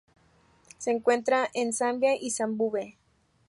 Se encuentra en Zambia y Zimbabue.